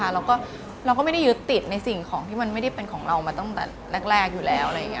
เราก็ไม่ได้ยึดติดในสิ่งของที่มันไม่ได้เป็นของเรามาตั้งแต่แรกอยู่แล้ว